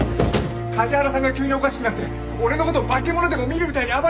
梶原さんが急におかしくなって俺の事化け物でも見るみたいに暴れ出して。